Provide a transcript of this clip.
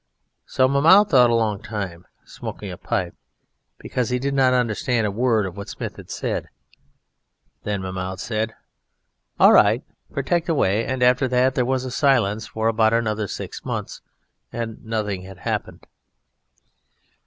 So Mahmoud thought a long time, smoking a pipe, because he did not understand a word of what Smith had said. Then Mahmoud said: "All right, protect away," and after that there was a silence for about another six months, and nothing had happened.